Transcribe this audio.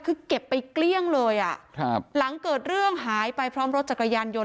คือเก็บไปเกลี้ยงเลยอ่ะครับหลังเกิดเรื่องหายไปพร้อมรถจักรยานยนต